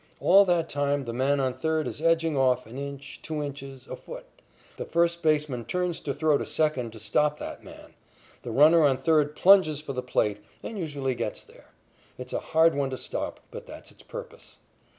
All that time the man on third is edging off an inch, two inches, a foot. The first baseman turns to throw to second to stop that man. The runner on third plunges for the plate, and usually gets there. It's a hard one to stop, but that's its purpose.